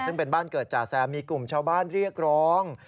ซึ่งเป็นบ้านเกิดจ่าแซมมีกลุ่มชาวบ้านเรียกร้อง